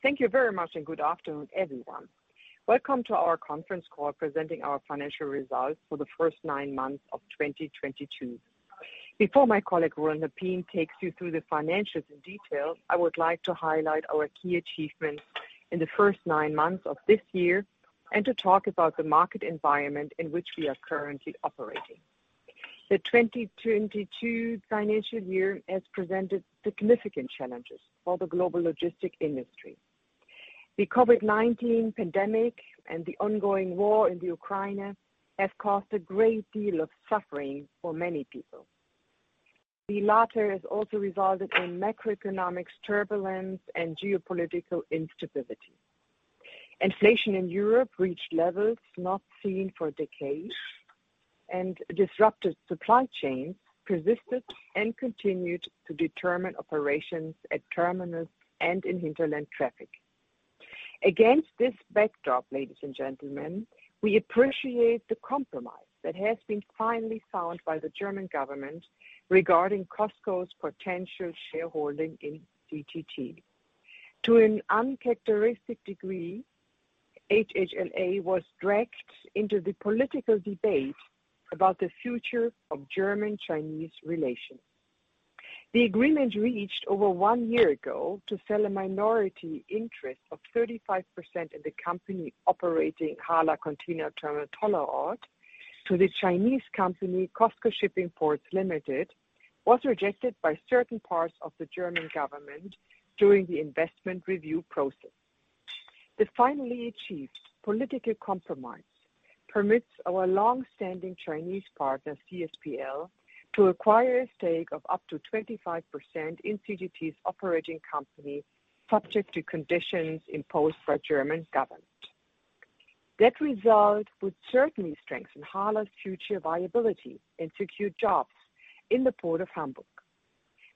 Thank you very much and good afternoon everyone. Welcome to our conference call presenting our financial results for the first nine months of 2022. Before my colleague Roland Lappin takes you through the financials in detail, I would like to highlight our key achievements in the first nine months of this year and to talk about the market environment in which we are currently operating. The 2022 financial year has presented significant challenges for the global logistics industry. The COVID-19 pandemic and the ongoing war in the Ukraine have caused a great deal of suffering for many people. The latter has also resulted in macroeconomic turbulence and geopolitical instability. Inflation in Europe reached levels not seen for decades and disrupted supply chains persisted and continued to determine operations at terminals and in hinterland traffic. Against this backdrop, ladies and gentlemen, we appreciate the compromise that has been finally found by the German government regarding COSCO's potential shareholding in CTT. To an uncharacteristic degree, HHLA was dragged into the political debate about the future of German-Chinese relations. The agreement reached over one year ago to sell a minority interest of 35% in the company operating HHLA Container Terminal Tollerort to the Chinese company COSCO Shipping Ports Limited, was rejected by certain parts of the German government during the investment review process. The finally achieved political compromise permits our long-standing Chinese partner, CSPL, to acquire a stake of up to 25% in CTT's operating company, subject to conditions imposed by German government. That result would certainly strengthen HHLA's future viability and secure jobs in the Port of Hamburg.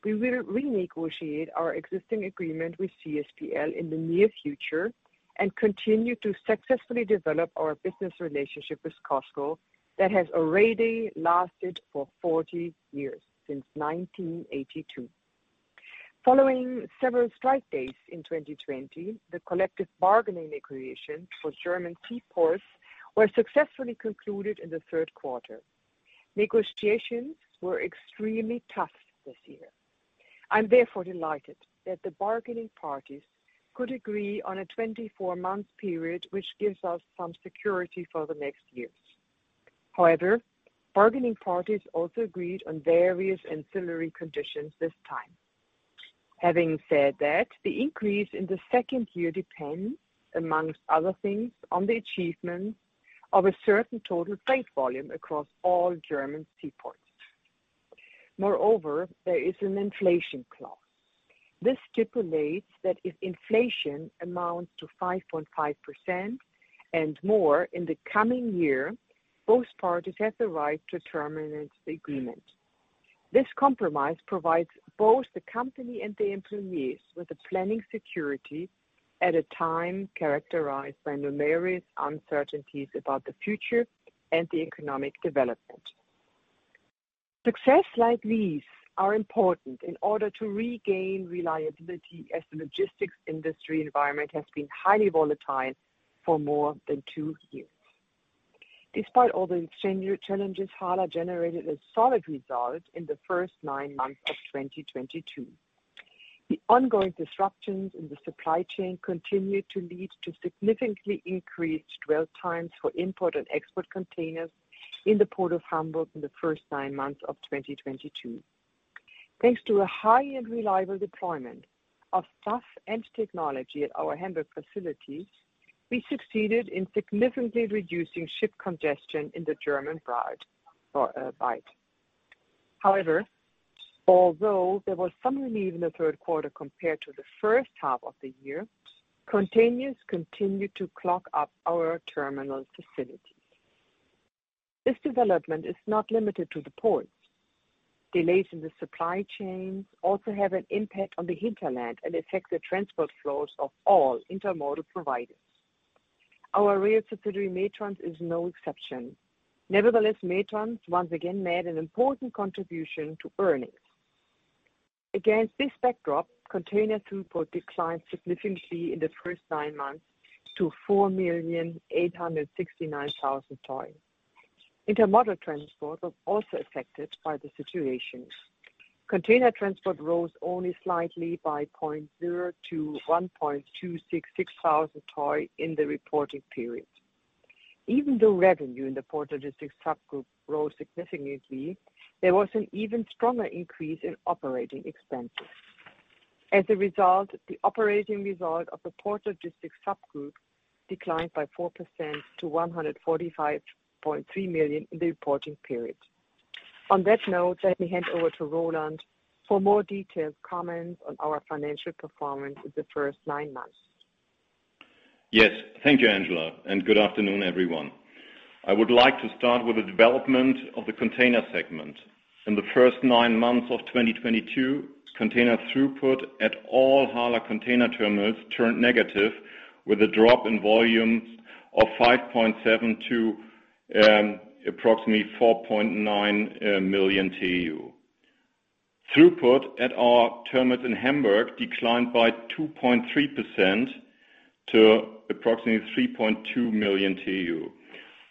We will renegotiate our existing agreement with CSPL in the near future and continue to successfully develop our business relationship with COSCO that has already lasted for 40 years, since 1982. Following several strike days in 2020, the collective bargaining negotiations for German seaports were successfully concluded in the Q3. Negotiations were extremely tough this year. I'm therefore delighted that the bargaining parties could agree on a 24-month period, which gives us some security for the next years. However, bargaining parties also agreed on various ancillary conditions this time. Having said that, the increase in the second year depends, among other things, on the achievement of a certain total freight volume across all German seaports. Moreover, there is an inflation clause. This stipulates that if inflation amounts to 5.5% and more in the coming year, both parties have the right to terminate the agreement. This compromise provides both the company and the employees with the planning security at a time characterized by numerous uncertainties about the future and the economic development. Success like these are important in order to regain reliability as the logistics industry environment has been highly volatile for more than two years. Despite all the extreme challenges, HHLA generated a solid result in the first nine months of 2022. The ongoing disruptions in the supply chain continued to lead to significantly increased dwell times for import and export containers in the Port of Hamburg in the first nine months of 2022. Thanks to a high-end reliable deployment of staff and technology at our Hamburg facilities, we succeeded in significantly reducing ship congestion in the German Bight. However, although there was some relief in the Q3 compared to the H1 the year, containers continued to clog up our terminal facilities. This development is not limited to the port. Delays in the supply chains also have an impact on the hinterland and affect the transport flows of all intermodal providers. Our rail subsidiary, Metrans, is no exception. Nevertheless, Metrans once again made an important contribution to earnings. Against this backdrop, container throughput declined significantly in the first nine months to 4,869,000 TEU. Intermodal transport was also affected by the situation. Container transport rose only slightly by zero to 1.266 thousand TEU in the reporting period. Even though revenue in the Port Logistics subgroup rose significantly, there was an even stronger increase in operating expenses. As a result, the operating result of the Port Logistics subgroup declined by 4% to 145.3 million in the reporting period. On that note, let me hand over to Roland for more detailed comments on our financial performance in the first nine months. Yes, thank you, Angela, and good afternoon, everyone. I would like to start with the development of the container segment. In the first nine months of 2022, container throughput at all HHLA container terminals turned negative with a drop in volume of 5.7 to approximately 4.9 million TEU. Throughput at our terminals in Hamburg declined by 2.3% to approximately 3.2 million TEU.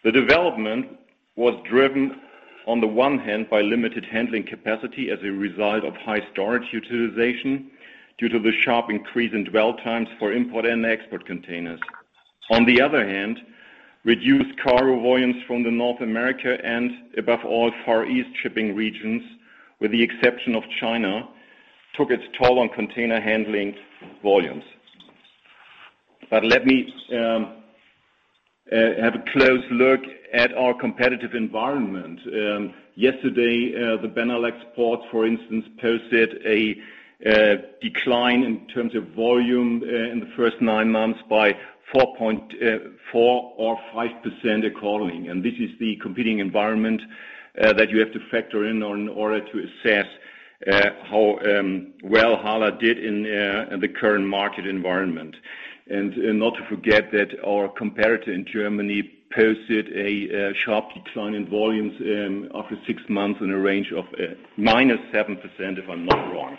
The development was driven on the one hand by limited handling capacity as a result of high storage utilization due to the sharp increase in dwell times for import and export containers. On the other hand, reduced cargo volumes from the North America and above all Far East shipping regions, with the exception of China, took its toll on container handling volumes. Let me have a close look at our competitive environment. Yesterday, the Benelux ports, for instance, posted a decline in terms of volume in the first nine months by 4.4 or 5% accordingly. This is the competing environment that you have to factor in order to assess how well HHLA did in the current market environment. Not to forget that our competitor in Germany posted a sharp decline in volumes after six months in a range of -7%, if I'm not wrong.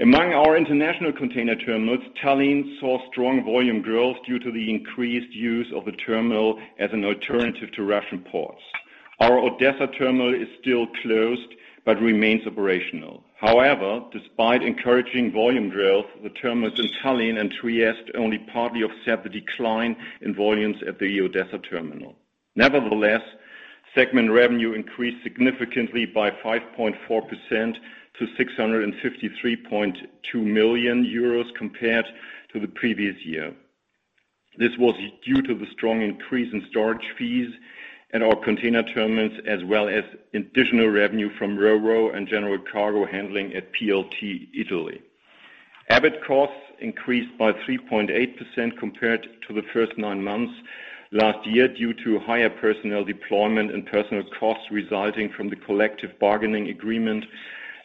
Among our international container terminals, Tallinn saw strong volume growth due to the increased use of the terminal as an alternative to Russian ports. Our Odessa terminal is still closed, but remains operational. However, despite encouraging volume growth, the terminals in Tallinn and Trieste only partly offset the decline in volumes at the Odessa terminal. Nevertheless, segment revenue increased significantly by 5.4% to 653.2 million euros compared to the previous year. This was due to the strong increase in storage fees at our container terminals, as well as additional revenue from RoRo and general cargo handling at PLT Italy. EBIT costs increased by 3.8% compared to the first nine months last year due to higher personnel deployment and personnel costs resulting from the collective bargaining agreement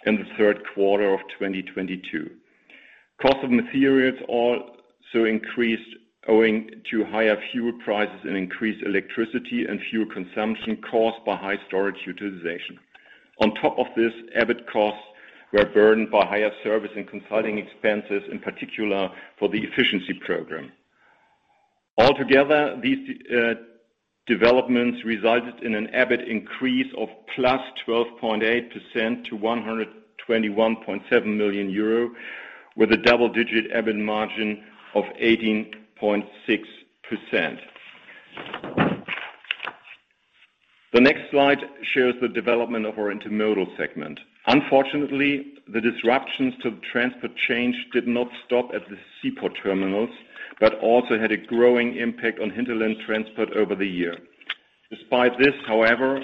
in the Q3 of 2022. Cost of materials also increased owing to higher fuel prices and increased electricity and fuel consumption caused by high storage utilization. On top of this, EBIT costs were burdened by higher service and consulting expenses, in particular for the efficiency program. Altogether, these developments resulted in an EBIT increase of +12.8% to 121.7 million euro, with a double-digit EBIT margin of 18.6%. The next slide shows the development of our Intermodal segment. Unfortunately, the disruptions to the transport chain did not stop at the seaport terminals, but also had a growing impact on hinterland transport over the year. Despite this, however,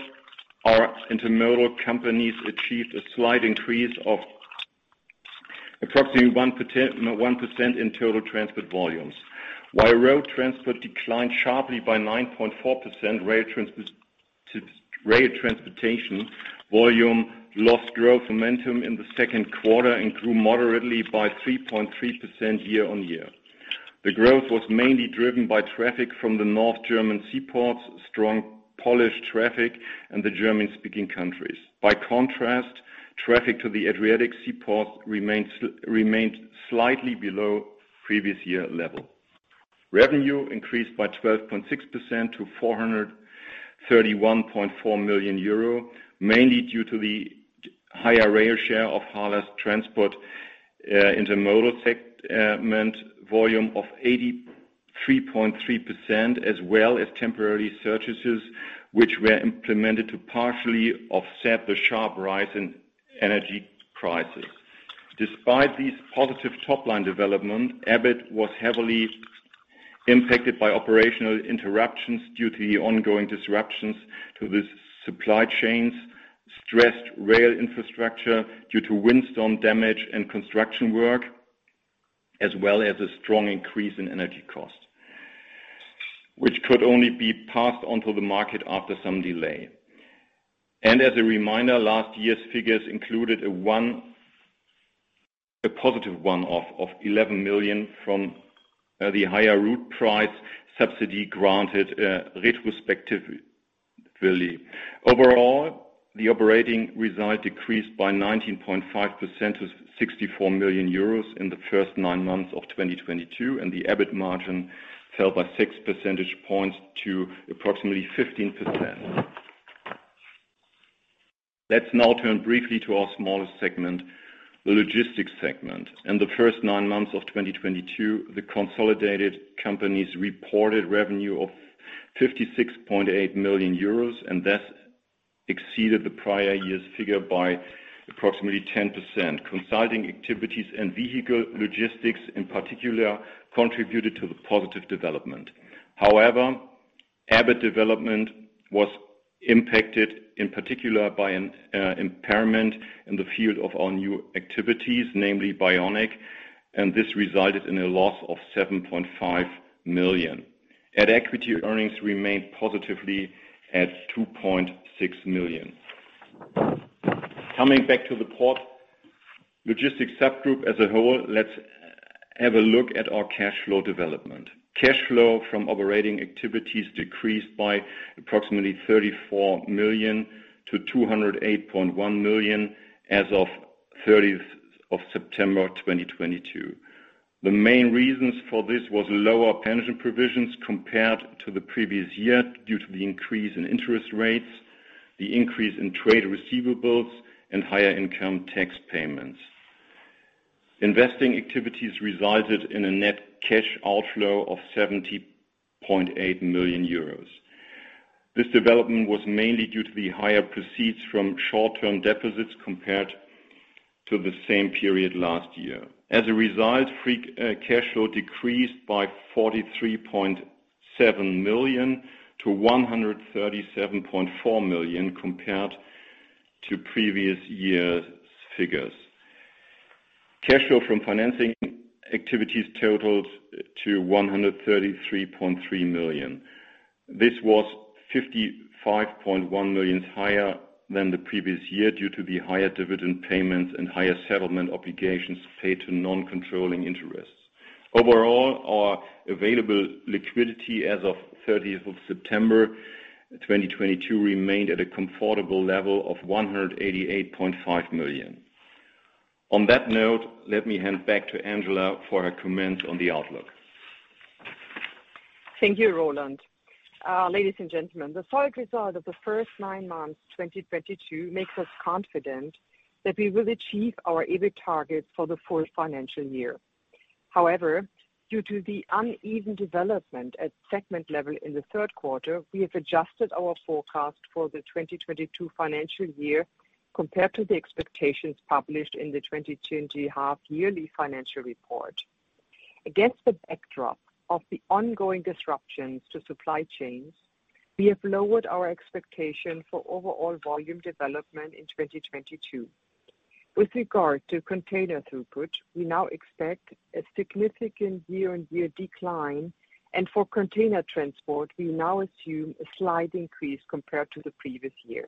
our Intermodal companies achieved a slight increase of approximately 1% in total transport volumes. While road transport declined sharply by 9.4%, rail transportation volume lost growth momentum in the Q2 and grew moderately by 3.3% year-on-year. The growth was mainly driven by traffic from the North German seaports, strong Polish traffic, and the German-speaking countries. By contrast, traffic to the Adriatic Seaport remained slightly below previous year level. Revenue increased by 12.6% to 431.4 million euro, mainly due to the higher rail share of HHLA's transport, Intermodal segment volume of 83.3%, as well as temporary surcharges, which were implemented to partially offset the sharp rise in energy prices. Despite these positive top-line development, EBIT was heavily impacted by operational interruptions due to the ongoing disruptions to the supply chains, stressed rail infrastructure due to windstorm damage and construction work, as well as a strong increase in energy costs, which could only be passed onto the market after some delay. As a reminder, last year's figures included a positive one-off of 11 million from the higher Trassenpreis subsidy granted retrospectively. Overall, the operating result decreased by 19.5% to 64 million euros in the first nine months of 2022, and the EBIT margin fell by six percentage points to approximately 15%. Let's now turn briefly to our smallest segment, the Logistics segment. In the first nine months of 2022, the consolidated companies reported revenue of 56.8 million euros, and thus exceeded the prior year's figure by approximately 10%. Consulting activities and vehicle logistics, in particular, contributed to the positive development. However, EBIT development was impacted, in particular, by an impairment in the field of our new activities, namely Bionic, and this resulted in a loss of 7.5 million. At equity, earnings remained positively at 2.6 million. Coming back to the Port Logistics subgroup as a whole, let's have a look at our cash flow development. Cash flow from operating activities decreased by approximately 34 million to 208.1 million as of 30th of September 2022. The main reasons for this was lower pension provisions compared to the previous year due to the increase in interest rates, the increase in trade receivables, and higher income tax payments. Investing activities resulted in a net cash outflow of 70.8 million euros. This development was mainly due to the higher proceeds from short-term deposits compared to the same period last year. As a result, free cash flow decreased by 43.7 million to 137.4 million compared to previous year's figures. Cash flow from financing activities totaled to 133.3 million. This was 55.1 million higher than the previous year due to the higher dividend payments and higher settlement obligations paid to non-controlling interests. Overall, our available liquidity as of 30th of September 2022 remained at a comfortable level of 188.5 million. On that note, let me hand back to Angela for her comment on the outlook. Thank you, Roland. Ladies and gentlemen, the solid result of the first nine months 2022 makes us confident that we will achieve our EBIT targets for the full financial year. However, due to the uneven development at segment level in the Q3, we have adjusted our forecast for the 2022 financial year compared to the expectations published in the 2020 half-yearly financial report. Against the backdrop of the ongoing disruptions to supply chains, we have lowered our expectation for overall volume development in 2022. With regard to container throughput, we now expect a significant year-on-year decline, and for container transport, we now assume a slight increase compared to the previous year.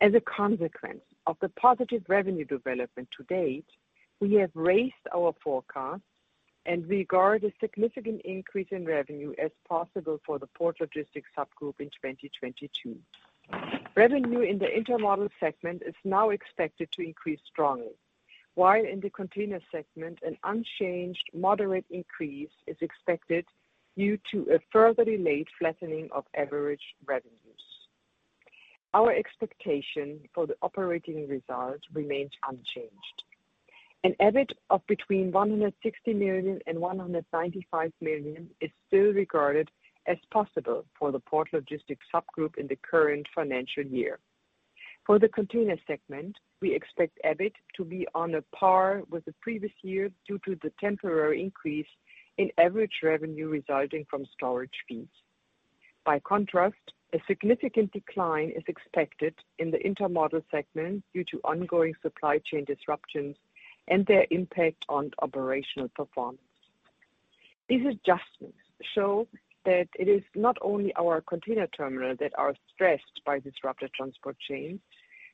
As a consequence of the positive revenue development to date, we have raised our forecast and regard a significant increase in revenue as possible for the Port Logistics subgroup in 2022. Revenue in the Intermodal segment is now expected to increase strongly, while in the Container segment, an unchanged moderate increase is expected due to a further delayed flattening of average revenues. Our expectation for the operating results remains unchanged. An EBIT of between 160 million and 195 million is still regarded as possible for the Port Logistics subgroup in the current financial year. For the Container segment, we expect EBIT to be on a par with the previous year due to the temporary increase in average revenue resulting from storage fees. By contrast, a significant decline is expected in the Intermodal segment due to ongoing supply chain disruptions and their impact on operational performance. These adjustments show that it is not only our container terminals that are stressed by disrupted transport chains,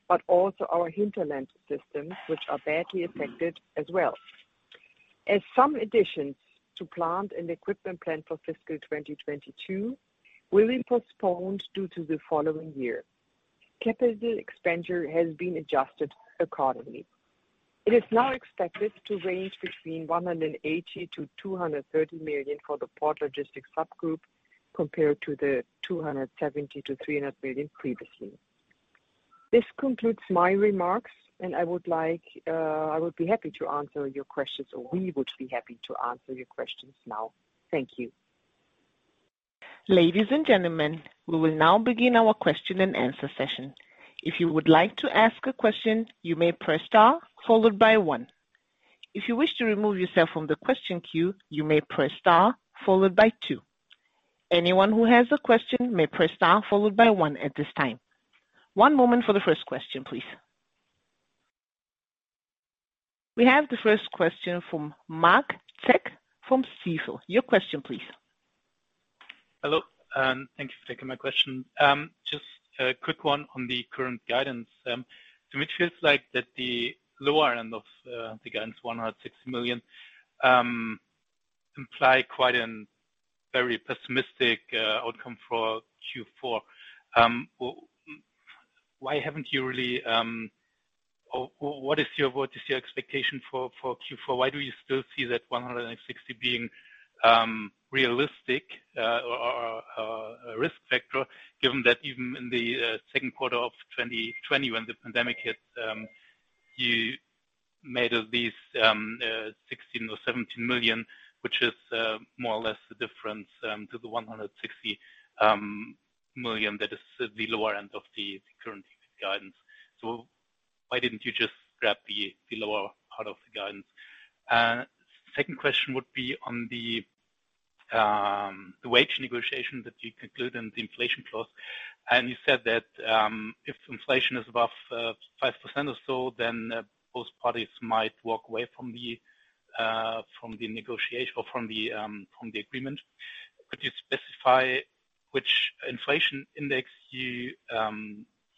but also our hinterland systems, which are badly affected as well. As some additions to plant and equipment planned for fiscal 2022 will be postponed due to the following year, capital expenditure has been adjusted accordingly. It is now expected to range between 180 million and 230 million for the Port Logistics subgroup, compared to the 270 million-300 million previously. This concludes my remarks, and I would be happy to answer your questions, or we would be happy to answer your questions now. Thank you. Ladies and gentlemen, we will now begin our question and answer session. If you would like to ask a question, you may press star followed by one. If you wish to remove yourself from the question queue, you may press star followed by two. Anyone who has a question may press star followed by one at this time. One moment for the first question, please. We have the first question from Mark Check from Stifel. Your question, please. Hello, and thank you for taking my question. Just a quick one on the current guidance. To me it feels like that the lower end of the guidance, 160 million, imply a very pessimistic outcome for Q4. Why haven't you really, what is your expectation for Q4? Why do you still see that 160 million being realistic or a risk factor given that even in the Q2 of 2020 when the pandemic hit, you made at least 60 or 70 million, which is more or less the difference to the 160 million that is the lower end of the current guidance. Why didn't you just grab the lower part of the guidance? Second question would be on the wage negotiation that you concluded in the inflation clause, and you said that if inflation is above 5% or so, then both parties might walk away from the agreement. Could you specify which inflation index you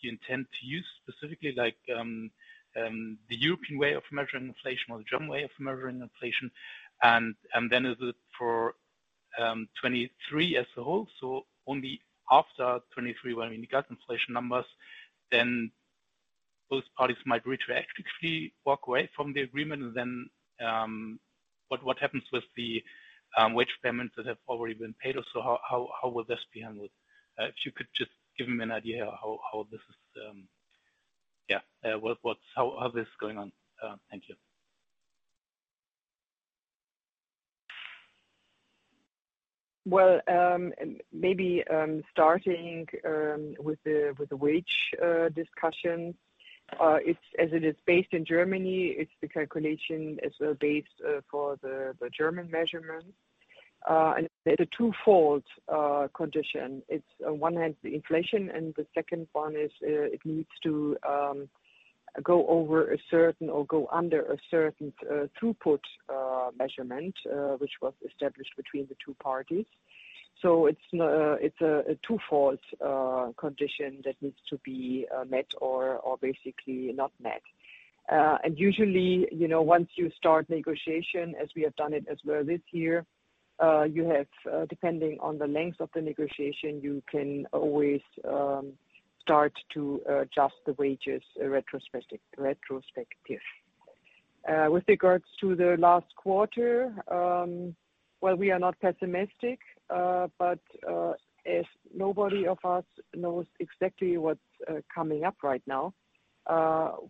intend to use specifically like the European way of measuring inflation or the German way of measuring inflation? Is it for 2023 as a whole, so only after 2023 when we got inflation numbers, then both parties might retroactively walk away from the agreement and then what happens with the wage payments that have already been paid? How will this be handled? If you could just give me an idea how this is going on. Thank you. Well, maybe starting with the wage discussion. As it is based in Germany, the calculation is based for the German measurements, and there is a twofold condition. It's on one hand the inflation, and the second one is it needs to go over a certain or go under a certain throughput measurement which was established between the two parties. It's a twofold condition that needs to be met or basically not met. Usually, you know, once you start negotiation, as we have done it as well this year, you have depending on the length of the negotiation, you can always start to adjust the wages retrospectively. With regards to the last quarter, well, we are not pessimistic, but as none of us knows exactly what's coming up right now,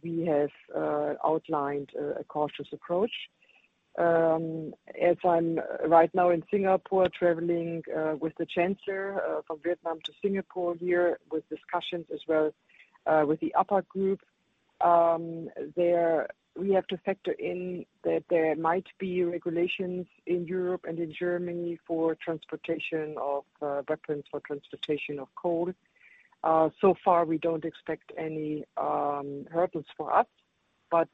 we have outlined a cautious approach. As I'm right now in Singapore, traveling with the chancellor from Vietnam to Singapore here with discussions as well with the upper group, there we have to factor in that there might be regulations in Europe and in Germany for transportation of weapons for transportation of coal. So far, we don't expect any hurdles for us, but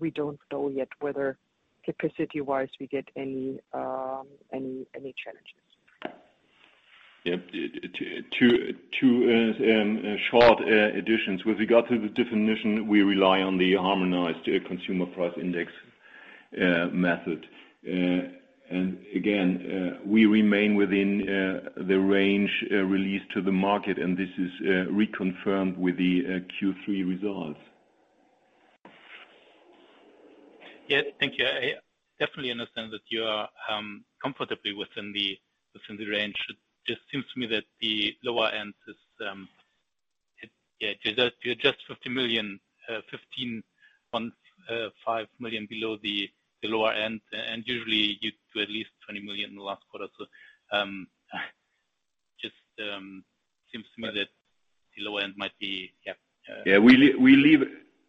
we don't know yet whether capacity-wise we get any challenges. Two short additions. With regard to the definition, we rely on the Harmonized Index of Consumer Prices method. Again, we remain within the range released to the market, and this is reconfirmed with the Q3 results. Yes. Thank you. I definitely understand that you are comfortably within the range. It just seems to me that the lower end is yeah, you are just 15.5 million below the lower end, and usually you do at least 20 million in the last quarter. Just seems to me that the lower end might be yeah. Yeah.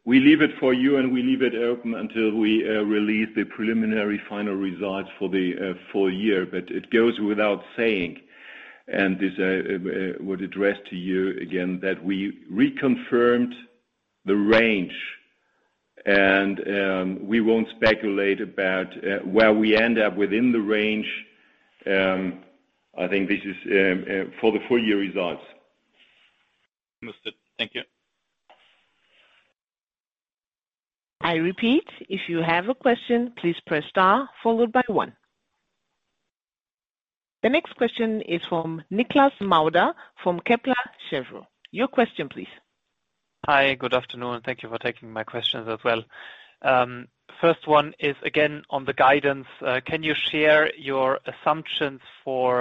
We leave it for you, and we leave it open until we release the preliminary final results for the full year. It goes without saying, and this would address to you again that we reconfirmed the range and we won't speculate about where we end up within the range. I think this is for the full year results. Understood. Thank you. I repeat, if you have a question, please press star followed by one. The next question is from Niklas Mauder from Kepler Cheuvreux. Your question please. Hi. Good afternoon, and thank you for taking my questions as well. First one is again on the guidance. Can you share your assumptions for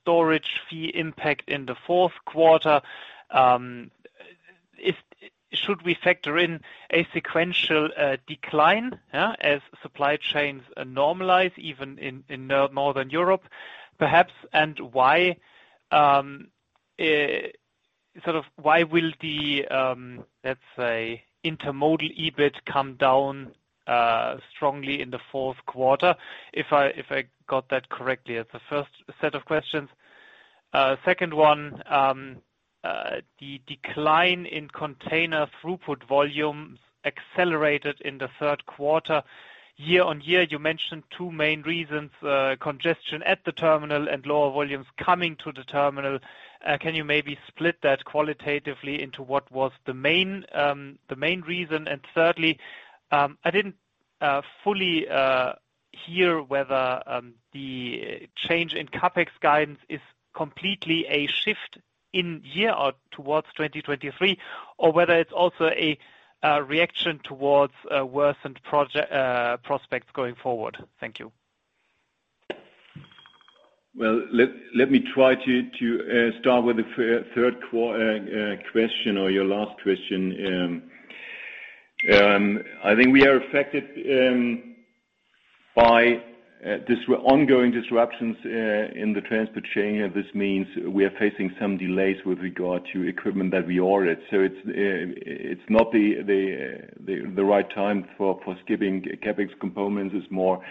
storage fee impact in the Q4? Should we factor in a sequential decline as supply chains normalize even in Northern Europe, perhaps? Why sort of will the let's say intermodal EBIT come down strongly in the Q4? If I got that correctly, that's the first set of questions. Second one, the decline in container throughput volumes accelerated in the Q3. Year-on-year, you mentioned two main reasons, congestion at the terminal and lower volumes coming to the terminal. Can you maybe split that qualitatively into what was the main reason? Thirdly, I didn't fully hear whether the change in CapEx guidance is completely a shift in year or towards 2023, or whether it's also a reaction towards a worsened prospects going forward. Thank you. Let me try to start with the third question or your last question. I think we are affected by ongoing disruptions in the transport chain. This means we are facing some delays with regard to equipment that we ordered. It's not the right time for skipping CapEx components. It's more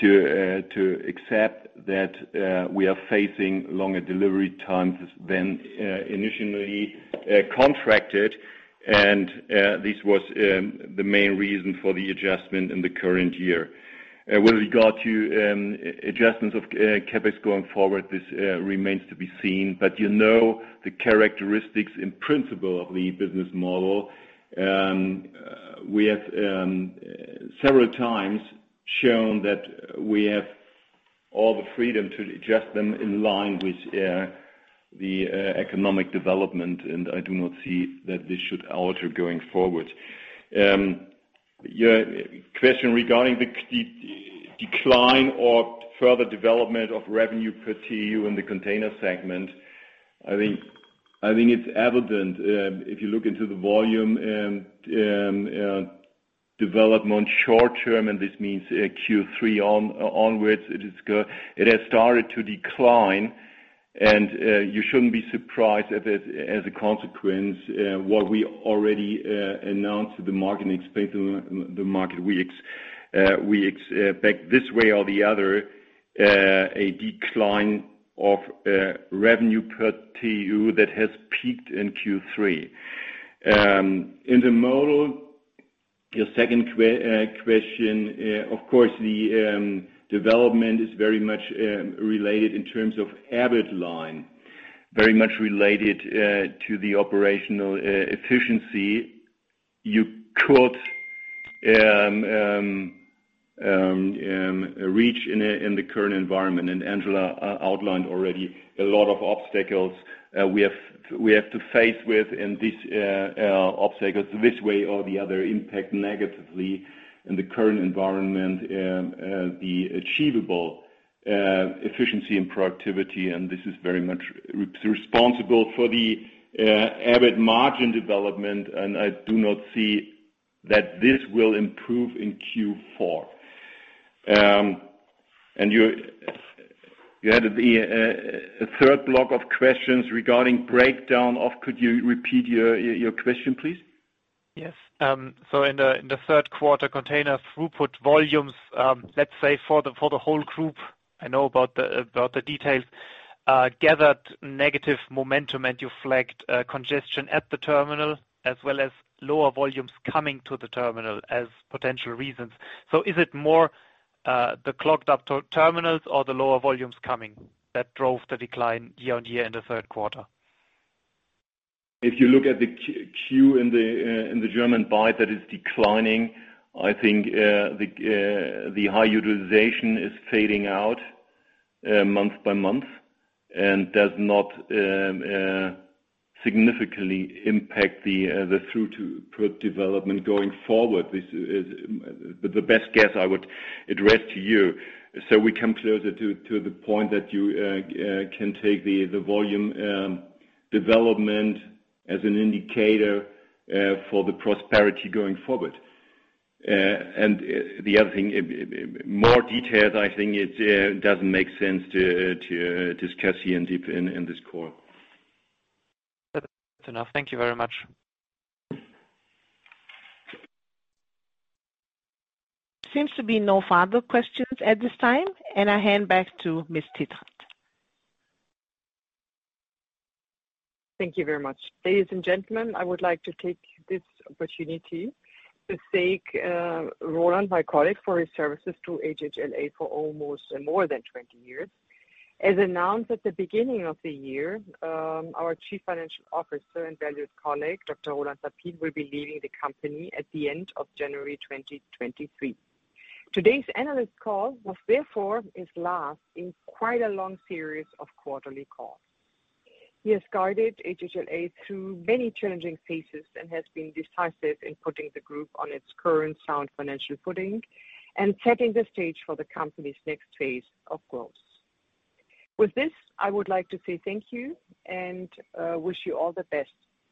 to accept that we are facing longer delivery times than initially contracted. This was the main reason for the adjustment in the current year. With regard to adjustments of CapEx going forward, this remains to be seen. You know the characteristics in principle of the business model. We have several times shown that we have all the freedom to adjust them in line with the economic development, and I do not see that this should alter going forward. Your question regarding the decline or further development of revenue per TEU in the container segment. I think it's evident if you look into the volume and development short term, and this means Q3 onwards, it has started to decline. You shouldn't be surprised at this as a consequence, what we already announced to the market, expected by the market. We expect this way or the other a decline of revenue per TEU that has peaked in Q3. In the model, your second question, of course, the development is very much related in terms of EBIT line to the operational efficiency you could reach in the current environment. Angela outlined already a lot of obstacles we have to face with and these obstacles this way or the other impact negatively in the current environment the achievable efficiency and productivity. This is very much responsible for the EBIT margin development. I do not see that this will improve in Q4. You had a third block of questions regarding breakdown of. Could you repeat your question, please? Yes. In the Q3, container throughput volumes, let's say for the whole group, I know about the details, gathered negative momentum, and you flagged congestion at the terminal as well as lower volumes coming to the terminal as potential reasons. Is it more the clogged up terminals or the lower volumes coming that drove the decline year-on-year in the Q3? If you look at the queue in the German Bight that is declining, I think the high utilization is fading out month by month and does not significantly impact the throughput development going forward. This is the best guess I would address to you. We come closer to the point that you can take the volume development as an indicator for the prosperity going forward. The other thing, more details, I think it doesn't make sense to discuss here in depth in this call. That's enough. Thank you very much. Seems to be no further questions at this time, and I hand back to Angela Titzrath. Thank you very much. Ladies and gentlemen, I would like to take this opportunity to thank, Roland, my colleague, for his services to HHLA for almost more than 20 years. As announced at the beginning of the year, our Chief Financial Officer and valued colleague, Dr. Roland Lappin, will be leaving the company at the end of January 2023. Today's analyst call was therefore his last in quite a long series of quarterly calls. He has guided HHLA through many challenging phases and has been decisive in putting the group on its current sound financial footing and setting the stage for the company's next phase of growth. With this, I would like to say thank you and, wish you all the best.